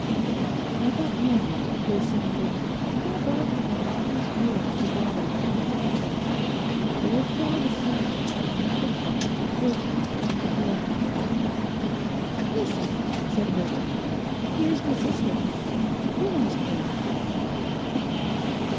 And at that moment there sounded, even above the monotonous roar of the water beyond the window—there fell the sound of a light footfall approaching along the corridor. 'Listen,' said Herbert; 'here's my sister coming; we'll ask her.